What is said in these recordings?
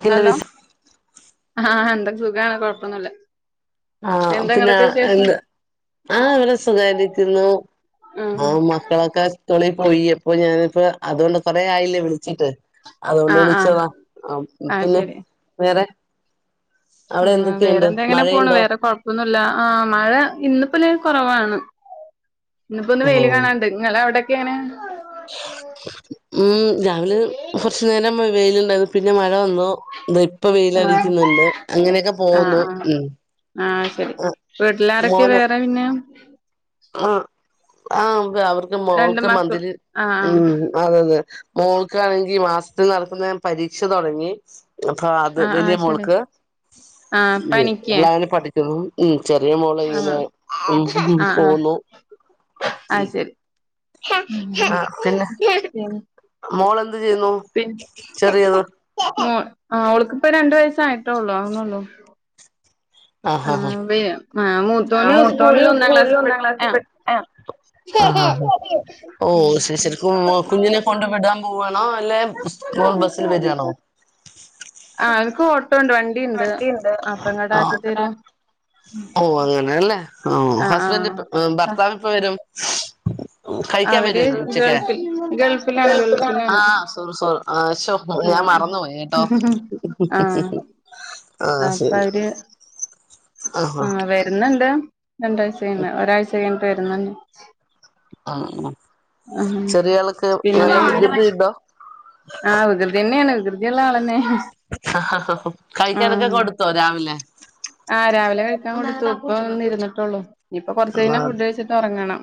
ക്കിണ്ട് hello വിസ് ആഹ് എന്തൊക്കെ സുഖണ കൊഴപ്പൊന്നല്ല ആഹ് പിന്നെ എന്താ ആഹ അവവിടെ സുഖാരിക്കുന്നു ആ ആഹ് മക്കളൊക്കെ സ്കൂളിൽ പോയി അപ്പൊ ഞാനിപ്പോ അതുകൊണ്ട കൊറെ ആയില്ലേ വിളിച്ചിട്ട് അതുകൊണ്ട് ആഹ് ആഹ് വിളിച്ചതാ പിന്നെ വേറെ അവിടെ അ വേറെ എന്തൊക്കെയുണ്ട് എന്ത എങ്ങനെ പൊന്നു മഴയുണ്ടോ വേറെകോയ ന്നുല്ല ആ മഴ ഇന്ന് പ്പ ലെനും കുറവാണ് ഇന്നിപ്പോ ഒന്ന് ആഹ് വെൽ കാണാണ്ട് നിങ്ങളെ അവിടെക്കെ അങ്ങനെ ഉം രാവിലെ കുറച്ചു നേരം വെയിലുണ്ടായിരുന്നു പിന്നെ മഴ വന്നു ഇ ഇപ്പ ആഹ് വെയിലടിക്കുന്നുണ്ട് അങ്ങനെയൊക്കെ പോന്നു ഉ ആ ശരി വീട്ടിലാരൊക്കെ വേറെ പിന്നെ ആ ആ [unintelligible] രണ്ട് മോൾക് മക്കൾ മന്ദിലി ആഹ് ആഹ് മ് അതെ അ തെ മോൾക്കാണെങ്കിൽ മാസ ൽ നടത്തുന്ന പരീക്ഷ തുടങ്ങി അപ്പൊ അത് ആഹ് വലിയ ആഹ് ശരി മോൾക്ക് ആഹ് ഉ പനിക്കേ എല്ലാരും പഠിക്കുന്നു ഉ ചെറിയ മോൾ ആഹ് അയിന്ന് ഉ ഉ ആഹ് ആഹ് പോന്നു ആ പിന്നെ [unintelligible] മോളെന്ത് ചെയ്യുന്നു പിൻ ചെറിയത് [unintelligible] അ അവക്കിപ്പോ രണ്ട് വയ അട്ടോള്ളൂ അവുന്നുള്ളു ആ ആ അവളെ മൂത്തോനു [unintelligible] ഒന്നാം ക്ലാസ്സിൽ പഠി ആ ആഅ ഓ ശരി ശരി മ് കുഞ്ഞിനെ കൊണ്ടു വിടാൻ പോവണോ അല്ലെ മോൾ ബസ്സിൽ വരണോ ആ അവൻക്ക് ഓട്ടോ ഉണ്ട് വണ്ടിണ്ട് അപ്പ [unintelligible] ഇങ്ങട്ട് ആക്കി ടെ തരും ഓ അങ്ങനെല്ലേ അ ആ ഹസ്ബൻഡ്പ്പ ആ ഭർത്താവ് ഇപ്പ വരും കഴിക്കാൻ അവര് വരുവോ ഇനി ഉച്ചക്ക് ഗൾഫിൽ ഗൾഫിലാണ് ഗൾഫിലാണ് ആഹ് സോറി സോറി ആഹ് ശോ ഞാൻ മറന്നുപോയി കേട്ടോ [unintelligible] ആ ആഹ് അപ്പൊ ശരി അവര് ആഹ് അ വരുന്നുണ്ട് രണ്ടാഴ്ച കഴിയുമ്പ ഒരാഴ്ച കഴിഞ്ഞിട്ട് വരുന്നുണ്ട് ആ ആ ചെറിയ ആളൊക്കെ നല്ല പിന്നെ വികൃതിണ്ടോ ആ വികൃതി തന്നെയാണ് വികൃതിയുള്ള ആളാ ആ ആ ആ കഴിക്കാനൊക്കെ കൊടുത്തുവോ രാവിലെ അരാവിലെ കഴിക്കാൻ കൊടുത്തു ഇപ്പൊ വന്ന്ഇരിട്ടുള്ളൂ ഇനിയിപ്പൊ കുറച്ച കഴഞ്ഞ ഫുഡ് കഴിച്ചിട്ട് ഒറങ്ങണം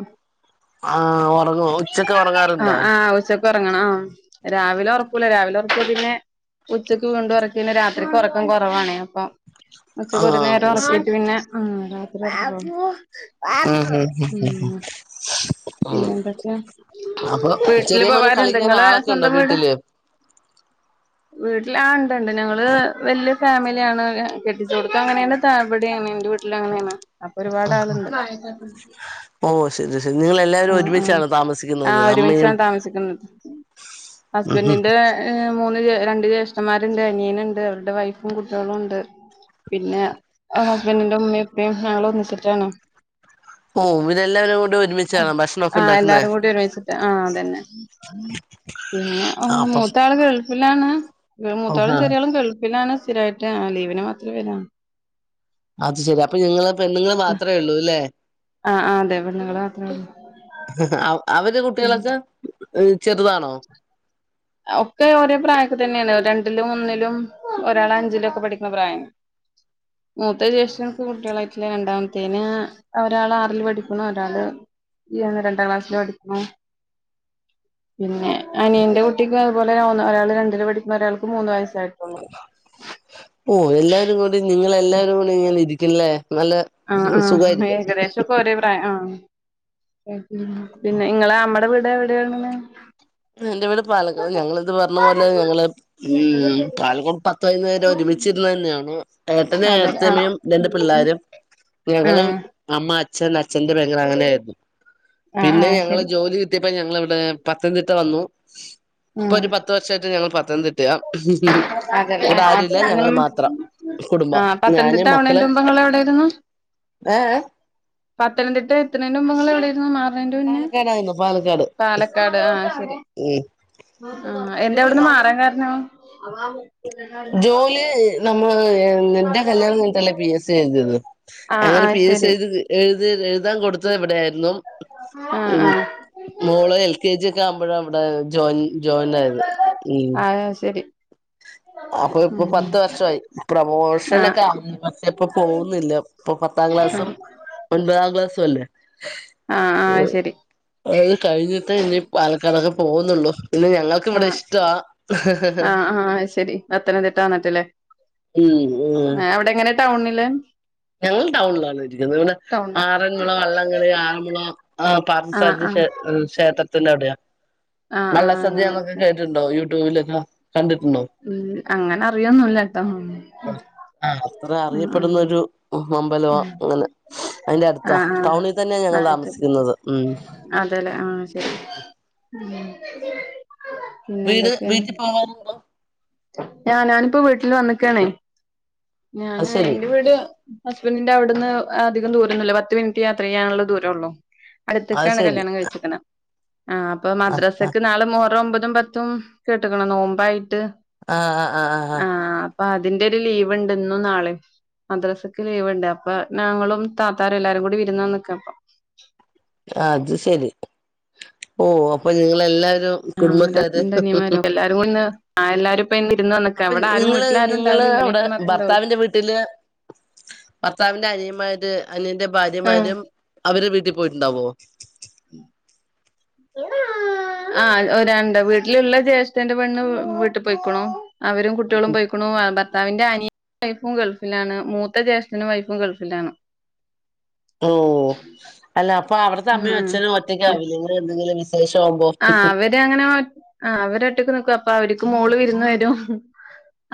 ആ ഉറങ്ങും ഉച്ചക്ക്‌ ഉറങ്ങാറുണ്ടോ അ അ രാവിലെ ഉറക്കൂല്ല രാവിലെ ഉറക്യ പിന്നെ ഉച്ചക്ക് വീണ്ടും ഉറക്കില്ല രാത്രിക്ക് ഉറക്കം കുറവാണേ അപ്പൊ ഉച്ചക്ക് ആഹ് ഒരു അത് നേരം ശരി ഉറക്കിയിട്ട് പിന്നെമ് രാത്രിഉറക്ക പപ്പു ഉം ഉം ഉം പിന്നെന്തൊക്കെയ അപ്പൊ വീട്ടില് ചെറിയ മോന് പോവാറ്ണ്ടാ കളിക്കാൻ ങ്ങള് ആളൊക്കെ ഉണ്ടോ സ്വന്തം വീട് വീട്ടില് [inaudible] വീട്ടിൽ ആ ഉണ്ടണ്ട് ഞങ്ങള് വല്യ ഫാമിലിയാണ് കിട്ടിച്ചോട്ത് അങ്ങനെയണ് ത്ത ഇവിടിം അങ്ങനെയാണ് എന്റെ വി വീട്ടില അങ്ങനെയാണ് അപ്പൊ ഒരുപാട് ആളുണ്ട് ഓഹ് ശരി ശരി നിങ്ങളെല്ലാവരും ആ ആ ഒരുമിച്ചാണോ ആ താമസിക്കുന്നത് അമ്മയും ഒരുമിച്ചാണ് താമസിക്കുന്നത് ഹസ്ബൻഡിന്റെ മൂന്ന് രണ്ട് ജ്യേഷ്ഠന്മാരുണ്ട് അനിയൻ ഉണ്ട് അവരുടെ വൈഫും പിന്നെ ഹസ്ബൻഡിന്റെ ഉമ്മിമിംഉപ്പിമിംഞങ്ങൾ ഒന്നിച്ചിട്ടാണ് ഓ ഇതെല്ലാവരും കൂട് ഒരുമി ആഎല്ലാരും കൂടി ഒരുമി ആഅതന്നെ പിന്നെ ആഹ് അപ്പം മൂത്ത ആള് ഗൾഫിലാണ് മൂത്താളും ആഹ് ചെറിയാളും ഗൾഫി ലാണ് സ്ഥിരായിട്ട് ലീവിനെ മാത്രേ വരാ അത് ശെരി അപ്പൊ നിങ്ങൾ പെണ്ണുങ്ങൾ മാത്രഉള്ളൂ ല്ലേ ആഹ് ആഹ് അതെ പെണ്ണുങ്ങള് മാത്രേ ഉള്ളൂ [unintelligible] അവര് കുട്ടികളക്കാ ഒക്കെ ഒരേ പ്രായക്ക തന്നെയാണ് രണ്ടിലും ഒന്നിലും ഒരാൾ അഞ്ചിലും ഒക്കെ പഠിക്കുന്ന പ്രായം മൂത്തേ ജേഷ്ഠന് കുട്ടികളായിട്ടില്ല രണ്ടാമത്തേന് ഒരാൾ ആറിൽ പഠിക്കണം ഒരാള് യാള്ണ്ടാം ക്ലാസ്സി പഠിക്കണ [unintelligible] പിന്നെ അനിയന്റെ കുട്ടിക്കും അതുപോലെ ഒരാൾ രണ്ടില് പഠിക്കുന്ന ഒരാൾക്ക് മൂന്ന് വയസ്സ് യിട്ടുള്ളൂ ഓ എല്ലാരും കൂടി നിങ്ങളെല്ലാവരും കൂടി ഇങ്ങനെ ഇരിക്കില്ലേ ആ ആഹ് ഏകദേശംൊക്കെ ഒരേ പ്രായം ആ പിന്നെ ങ്ങളെ നമ്മടെ വീടെ എവിടെയാണ് എന്റെ വീട് പാലക്കവലഞങ്ങളിത് പറഞ്ഞ പോലെ ഞങ്ങള് പലക്കോട് പത്തൈ പേരം ഒരുമിച്ചിരുന്ന തന്നെയാണ്ോ [inaudible] ഏട്ടന അതെ ആഹ് ഏട്ത്തിയമ്മയും രണ്ട് പിള്ളാരും ഞങ്ങളും ആഹ് അമ്മ അച്ഛൻ അച്ഛന്റെ പെങ്ങൾ അങ്ങനെ ആയിരുന്നു ആഹ് പിന്നെ ആഹ് ഞങ്ങള് ശരി ജോലി കിട്ടിയപ്പോ ഞങ്ങ ഇവിടെ പത്തംതിട്ട ഇ വന്നു ഇപ്പൊ ഉം ഒരു പത്ത് വർഷമായിട്ട് ഞങ്ങള് പത്തനംതിട്ടയാ അതല്ലേ ഇവിടെ അപ്പൊ ആരുല്ല ഞങ്ങള്ൾ ഇങ്ങളും മാത്രം കുടുംബം ആഹ് ഞാന് പത്തനംതിട്ട മക്കള് ആവണേന്റെ മുമ്പ് ഇങ്ങള് എവിടെയായിരുന്നു ഏ പത്തനംതിട്ട എത്തണേന മുമ്പ് നിങ്ങൾഎവിടാരുന്നു മാ ന്റെ മുന്നേ പാലക്കാടായിരുന്നു പാലക്കാട് പാലക്കാട് ആഹ ശരി ഉം ആ എന്താ അവിടന്ന് മാറാൻ കാരണം ജോലി നോ ന്റെകല്യാണം കഴിഞ്ഞിട്ടല്ലേ പിഎസ് സി എഴുതിയത് ആ ആ അങ്ങനെ പി എസ് സി ശരി എഴുത ത് എഴുതാൻ കൊടുത്തത് ഇവിടെയായിരുന്നു ആ ആ മോള് എൽ കെ ജി ഒക്കെ ആവുമ്പോഴ ഇവിടെ ജോയിൻജോയിൻ ആയത് ഉ ആ ശരി അപ്പൊ ഇപ്പൊ ഉം പത്ത് വർഷമായി ആ പ്രമോഷന ഒക്കെ പക്ഷേ ഇപ്പൊ പോകുന്നില്ല ഇപ്പൊ പത്ത പത്താം ക്ലാസും ഒൻപതാം ക്ലാസും അല്ലേ ആ ആ ശരി അത് കഴിഞ്ഞിട്ടേ ഇനി പാലക്കാടൊക്കെ പോകുന്നുള്ളു പിന്നെ ഞങ്ങൾക്ക ആ ഇവിടെ ഇഷ്ടമാ എത്രന തതിട്ടാ വന്നിട്ടില്ലേ ഉം ഉം ടൗണില് ഞങ്ങൾ ടൗണിലാണ് ഇരിക്കുന്നത് ഇവിടെ ടൗണിൽ ആറന്മുള വള്ളംകളി ആറന്മുള ആ ആ പാർസദ്യ ആ ക്ഷേത്രത്തി അവിടെയ ആ ആ മല്ലസദ്യൊക്കെ കേട്ടിട്ടുണ്ടോ ല്ലതാ ഉ അങ്ങനെ അറിയോൊന്നുംല്ലട്ടോ ആ അത്ര അറിയപ്പെടുന്നരു ഉ അടുത്താ ആഹ ആഹ ടൗണിൽ തന്നെയാ ഞങ്ങൾ ആയിട്ട താമസിക്കുന്നത് ഉം അതെല്ലേ ആഹ ശരി പിന്നെ വീട് എന്തൊക്കെയാ വീട്ടിൽ പോവാറുണ്ടോ ഞാനഞാാനിപ്പോൊ വീട്ടിൽ വന്നക്കണേ അത് ഞാന് ശരി എന്റെറെ വീട് ഹസ്ബൻറിന്റെ അവിടുന്ന് അധികം ദൂരൊന്നുമല്ല പത്ത് മിനിറ്റ് യാത്ര ചെയ്യാനുള്ള ദൂരംള്ളു അത് അടുത്തൊക്കെയാണ് ശരി കല്യാണം കഴിച്ചിരിക്കുന്നത് ആ അപ്പൊ ആ ആ മദ്രാസക്ക്നാളെ മുഹറം ഒമ്പതു പത്തു പതും പത്തും കേട്ടക്കണം നോമ്പായിട്ട് ആഹ ആഹ് ആഹ് ആഹ് ആഹ അപ്പ അതിന്റെ ഒരു ലീവ് ഉണ്ടന്നു നാളെ മദ്രസക്ക് ലീവ്ണ്ട് അപ്പൊ ഞങ്ങളും താത്താരും എല്ലാരും കൂടി വിരുന്ന നക്ക അപ്പ അത് ശരി ഓ അപ്പൊ നിങ്ങളെല്ലാവ റും ആഹ് കുടുംബത്താണ് രണ്ടനിയന്മാരും എല്ലാരും കൂടിന്ന് ആഹ് എല്ലാരും ഇപ്പ ഇന്ന് വിരുന്ന് വന്ന്ക്കാ അപ്പൊ ഇവിടെ ആരും നിങ്ങള് വീട്ടിലാരും നിങ്ങള് ഉണ്ടാവലില്ല ഇമ്മീം അടെ ഇപ്പീം മാത്രേ ഉണ്ടാവൊള്ളൂ ഭർത്താവിന്റെ വീട്ടില് ഭർത്താവിന്റെ അനിയ അന്യന്റെ ആഹ് ഭാര്യമാരും അവര് വീട്ടിൽ പോയിട്ടുണ്ടാവോ ത [unintelligible] ആഹ ഒ രണ്ട വീട്ടിലുള്ള ജ്യേഷ്ഠേന്റെ പെണ്ണ് വീട്ടിൽ പോയിക്കണോ അവരും കുട്ടികളും പോയിക്കണും ഭർത്താവിന്റെ അനിയ വൈഫും ഗൾഫിലാണ് മൂത്ത ജ്യേഷ്ഠനും വൈഫും ഗൾഫിലാണ് ഓ അല്ല അപ്പൊ അവിടുത്തെ ആ അമ്മയും അച്ഛനും ഒറ്റക്ക ആാവില്ലങ്ങന എന്തെങ്കിലും വിശേഷം ആവുമ്പോ ആ അവര് അങ്ങനെ ആ അവര ഒട്ടക്ക് നിക്കും അപ്പൊ അവർക്ക് മോള് വിന്ന് വരും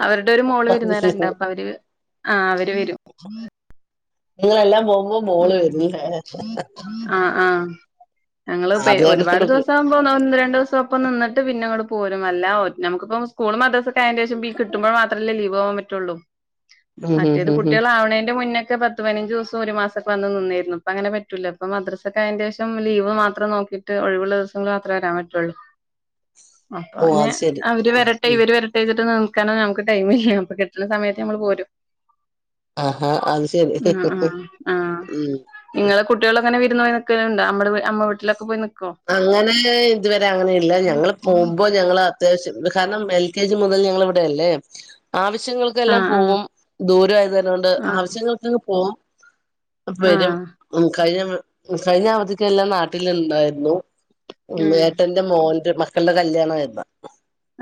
അവരുടെ ഒരു മോള് അത് ശരി വരുന്നവരുണ്ട് അപ്പൊ അവര് ആ അവര് വരും നിങ്ങളെല്ലാം പോ ഉ ആഹ ആഹ ഞങ്ങള്ൾ പ അത് കാരണം ഒരുപാട് കൊണ്ട് ദിവസം ആവുമ്പോന്ന രണ്ടു ദിവസം ഒപ്പം നിട്ട് പിന്നെ ഇങ്ങട്ട പോരുും അല്ല നമുിപ്പം സ്കൂൾ മത അതിം കിട്ടുമ്പോൾ മാത്രമല്ലേ ലീവ് ആവാൻ പറ്റുള്ളൂ ഉം ഉം മറ്റേത് ഉം ഉം കുട്ടികൾവണേന്റെ മുന്നേ പത്ത് പതിനഞ്ച് ദിവസം ഒരു മാസം െ വന്ന് നിന്നിരുന്നു അപ്പൊ അങ്ങനെ പറ്റൂല്ല ഇപ്പ മ്രസ്സൊക്ക അതിന്റെ ശശം ലീവ് മാത്രം നോക്കിട്ട് ഒഴിവുള്ളിവസിൽ മാത്ര വരാൻ പറ്റുള്ളൂ ഉ അപ്പൊ പിന്നെ അവര് വരട്ടെ ഇവര് വരട്ടെതിിട്ട് കാരണം നമുക്ക് ടൈം ഇ അപ്പൊ കിട്ടണ സമയത്ത് നമ്മൾ പോരും ആഹഹ അത് ശരി ആഹ് ആഹ് ഉ അങ്ങനെ വര പോൽക്കലണ്ട് നമ്മ നമ്മ വീലൊക്കെ പോയി നിക്കോ അങ്ങനെ ഇതുവരെ അങ്ങനെ ഇല്ല ഞങ്ങൾ പോുമ്പോ ഞങ്ങള് അത്യാശ്യം കാരണം എൽ കെ ജി മുതൽ ഞങ്ങള ഇവിടെയല്ലേ ആവശ്യങ്ങൾക്കെല്ലാം ആഹ് ആഹ് പോകവും ദൂരമായത് തന്ന കൊണ്ട് ആഹ് ആവശ്യങ്ങൾക്കൊ പോകവും അ വരും ആഹ് ഉ കഴിഞ്ഞ കഴിഞ്ഞ അവധിക്കെല്ലാം നാട്ടിലുണ്ടായിരുന്നു ഉം ഏട്ടന്റെ മോറെ മക്കളുടെ കല്യാണ ആുന്ന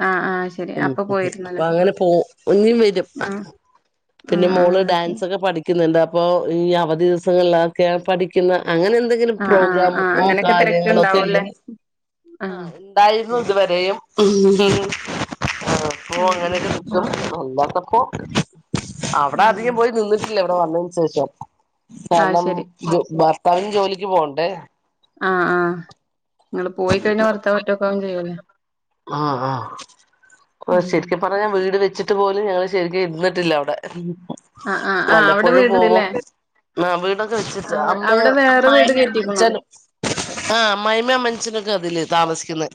ആഹ് ആഹ് ശരി ഉ അപ്പൊ അപ്പൊ പോയിരുന്നല്ലേ അങ്ങനെ പോും ഒഞ്ഞും വരും ആഹ് പിന്നെ ആഹ് മോള് ആഹ് ശരി ഡാൻസ് ഒക്കെ പഠിക്ക പഠിക്കുന്നുണ്ട് അപ്പോൾ ഈ അവധി ദിവസങ്ങളിലൊക്കെ പഠിക്കുന്ന അങ്ങനെ എന്തെങ്കിലും ആഹ് ആഹ് ആഹ് പ്രോഗ്രാമോ അങ്ങനെയൊക്കെ കാര്യങ്ങളൊക്കെ ഉള്ള തിരക്കുണ്ടാവൂല്ലേ ആ ആഹ് എന്തായാലും ഇതുവരെയും ആഹ് അങ്ങനെക്കെും നന്നാത്തപ്പോ അവിടെ ആഹ് അധികം പോയി നിന്നിട്ടില്ല ഇവിടെ വന്നതിന് ശേഷം ആഹ് കാരണം ശരി ഭർത്താവിന് ജോലിക്ക് പോകണ്ടേ ആഹ് ആഹ് നിങ്ങള് പോയി കഴിഞ്ഞാ വർത്തൻ പറ്റോക്ക ചെയ്യല്ലേ ആഹ ആഹ് ഓ ഉം ശരിക്ക പറഞ്ഞൻ വീട് വെച്ചി ഇ പോലും ഞങ്ങള് ശരിക്കും ഇുന്നിട്ടില്ല അവിടെ ആഹ് ആഹ് ആഹ് അവിടെ വല്ലപ്പോഴും പോവാം വീട്ണ്ട്ല്ലേ ആ വീടൊക്കെ വെച്ചിട്ട് അവി അമ്മ അവിടെ വേറെ അ്മായി വീട് കേറ്റിക്ക്ണോ അച്ഛനും ആഹ മൈമ മനുസനൊക്കെ അതില്േ താമസിക്കുന്ന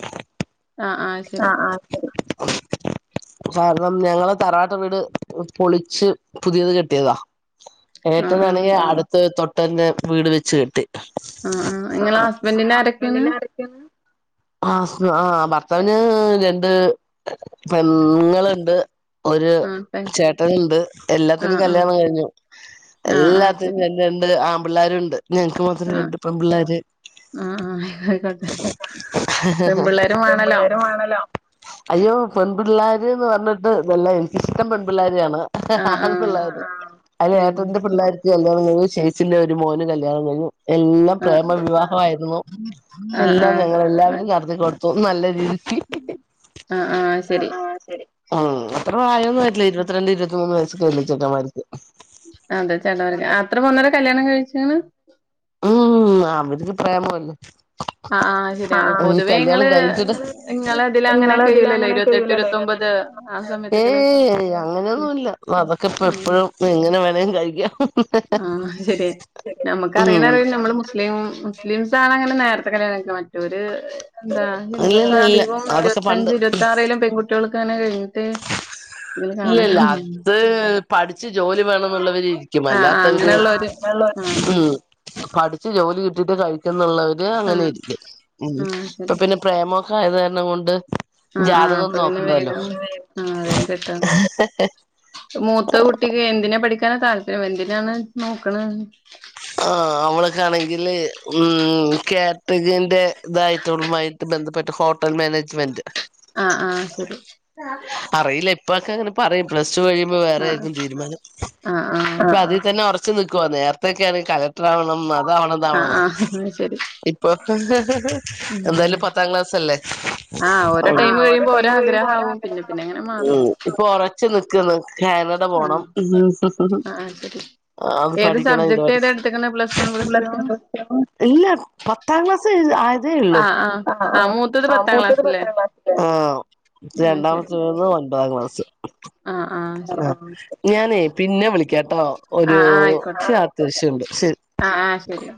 ആഹ ആഹ ശരി [unintelligible] ആ [unintelligible] കാരണം ഞങ്ങള് തറാട്ട വീട് പൊളിച്ച് പുതിയത് കെട്ടിയതാ ആഹ് ആഹ് ഏറ്റനാണെങ്കിൽ അടുത്ത തൊട്ടന്നെ വീട് വെച്ച് കിട്ടി ആഹ് ആഹ് ഇങ്ങളെ ഹസ്ബന്റിന് ആരൊക്കേണ് ആ ആ [unintelligible] അവന് രണ്ട് പെങ്ങുണ്ട് ഒരു ആഹ് പെ ചേട്ടന ഉണ്ട് എല്ലാത്തിനും ആഹ് ആഹ് കല്യാണം കഴിഞ്ഞു ആഹ് ആഹ് എല്ലാത്തിനും ശരി ചന്നുണ്ട് ആമ്പിള്ളേരു ഉണ്ട് ഞങ്ങക്ക് മാത്രം ആഹ് രണ്ടപ്പ പിള്ളോര് ആഹ് ആഹ് ആയിക്കോട്ടെ പെമ്പിള്ളേരും വാണല്ലോ പിള്ളേണല്ലോ അയ്യോ പെൺപിള്ളേർ എന്ന് പറഞ്ഞിട്ട് ഇതെല്ലാം എനിക്കിഷ്ടം പെൺപിള്ളേർ ആ ആഹ് ആഹ് പിള്ളേ അ ഉം ഏറ്റന്റെ പിള്ളേ കല്യാണം ശെയ്സിന്റെ ഒരു മോന് കല്യാണം കഴു എല്ലാം ആഹ് പ്രേമ വിവാഹമായിരുന്നു ആഹ് എല്ലാം ആഹ് ഞങ്ങളെല്ലാവരും നടത്തി കൊടുത്തു നല്ല രീതി ആഹ ആഹ ശരി ആ അത്ര പ്രായമൊന്നും വരിില്ല ഇരുപത്തിരണ്ട് ഇരുപത്തി അതെ ചേട വരക്ക് അത്ര മന്നര കല്യാണം കഴിച്ചി ഉം അതിക്ക് പ്രേമല്ലേ ആഹ് ആഹ് ശരിയാണ് പൊതുവേ ഇങ്ങള് ആല് ഇങ്ങളെ ഇതിലങ്ങനെ നിങ്ങള ഇതിൽ കഴിയൂലല്ലോ ഇരുപത്തെട്ട് അങ്ങനെക്കലല്ലോ ഇരുപത്തൊമ്പത് ആ സമയത്തൊക്കെല്ലേ ഏയ് അങ്ങനെയൊന്നുമല്ല അതൊക്കെ ഇപ്പ എപ്പഴും എങ്ങനെ വേനയും കഴ ആഹ ശരി നമ്മുക്കറിയണ അറി നമ്മൾ മുസ്ലിം മുസ്ലിംസണ് െ നേത്തെ കളിയൊക്കെ മറ്റൊര് എന്താ ഇല്ല ഹിന്ദുസ ഇല്ല ഇല്ല അധികവും അതൊക്കെ പണ്ട് ഇരുപത്തഞ്ചച് ഇരുപത്തി ആറിലും പെൺകുട്ടികൾ ക്കാന കഴിഞ്ഞട്ട ഇല്ല ഇല്ല അത് പഠിച്ച് ജോലി വേണം എന്നുള്ളവരി ഇരിക്കും ആഹ് ആഹ് മല്ലാത്തവര് അങ്ങനെയുള്ളോര് ആഹ് ഉ പഠിച്ച് ജോലി കിട്ടിട്ട് കഴിക്കുന്നുള്ളവര് അങ്ങനെ ആഹ് ഇരിക്കും ഉ ആഹ് ഇപ്പൊ പിന്നെ പ്രേമം ഹായധാരണം കൊണ്ട് ആഹ ആഹ് ജാതകം അപ്പൊ പിന്നെ നോക്കണ്ടല്ലോ വേഗം ആ വേഗ മൂത്ത കുട്ടിക്ക് എന്തിന പഠിക്ക എനെ താല്പര്യം എന്തിനാണ് നോക്കണ ആ അവളക്കാണെങ്കില് ഉം കാടഗിന്റെ ഇതായിട്ടുള്ളമായിട്ട് ബന്ധപ്പെട്ട് ഹോട്ടൽ മാനേജ്മെന്റ് ആഹ ആഹ ശരി അറിയില്ല ഇപ്പൊക്കെ അങ്ങനെ പറയും പ്ലസ് ടു കഴിയുമ്പോ വേറെ ആഹ് ആക്കും തീരുമാനം ആഹ് ആഹ് ഇപ്പൊ അതിൽ തന്നെറ വച്ച് നൽക്കുവവാ നേരത്തെക്കെ കലക്ടർവണം ആഹ് അതാവണംന്താവണെന്നോ ആഹ് ശരി ഇപ്പൊ ഉം എന്തായാലും പത്താം ക്ലാസല്ലേ ആഹ് ഓരോ ടൈം കഴിയുമ്പോ ഓരോ ആഗ്രഹം ആവും പിന്നെ പിന്നെ അങ്ങനെ മാറും [unintelligible] കാനഡ പോണം ആഹ് ആഹ് ശരി അത് ഏത് പഠിക്കണം ഇതു സബ്ജക്ട് പഠി ഏതാ എടുത്ത്ക്ക്ണെ പ്ലസ് വൺ പ്ലസ് ടു ഇല്ല പത്താം ക്ലാസ് ആ ആഹ് ആഹ് ആ ആ ആഹ് മൂത്തത് ആ പത്താം മൂത്തത് ക്ലാസ്സ്ല്ലേ പത്താം ക്ലാസില ആഹ് ശരി രണ്ടാമത്തത് വന്ന് ഒൻപതാം ക്ലാസ് ആഹ് ആഹ് ശരി ആ ഞാനേ പിന്നെ വിളിക്കാട്ടോ ഒരു അത്യാവശ്യണ്ട് ശരി ആ ആ ശരി